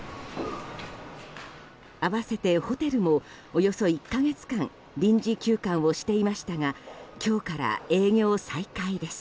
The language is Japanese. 併せてホテルもおよそ１か月間臨時休館をしていましたが今日から営業再開です。